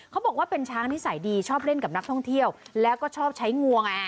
บอกว่าเป็นช้างนิสัยดีชอบเล่นกับนักท่องเที่ยวแล้วก็ชอบใช้งวงไง